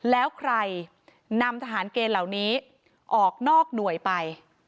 แล้วใครนำทหารเกณฑ์เหล่านี้ออกนอกหน่วยไป